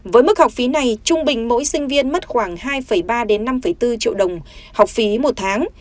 với mức học phí này trung bình mỗi sinh viên mất khoảng hai ba năm bốn triệu đồng